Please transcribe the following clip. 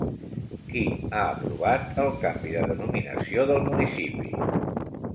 Qui ha aprovat el canvi de denominació del municipi?